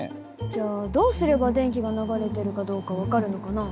じゃあどうすれば電気が流れてるかどうか分かるのかな？